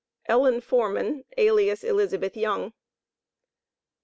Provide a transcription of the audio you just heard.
ELLEN FORMAN, alias ELIZABETH YOUNG.